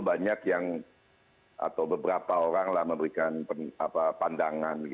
banyak yang atau beberapa oranglah memberikan pandangan